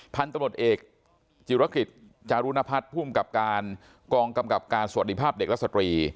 พันธุ์ตำรวจเอกจิรกฤษจารุณพัฒน์ภูมิกับการกองกำกับการสวัสดีภาพเด็กและสตรี